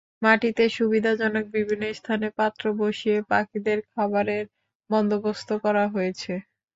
মাটিতে সুবিধাজনক বিভিন্ন স্থানে পাত্র বসিয়ে পাখিদের খাবারের বন্দোবস্ত করা হয়েছে।